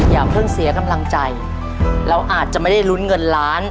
อย่าเพิ่งเสียกำลังใจเราอาจจะไม่ได้ลุ้นเงินล้าน